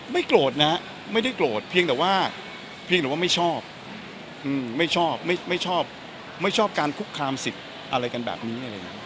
ไม่โกรธนะไม่ได้โกรธเพียงแต่ว่าไม่ชอบไม่ชอบการคุกคามสิทธิ์อะไรกันแบบนี้